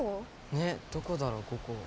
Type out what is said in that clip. ねどこだろここ？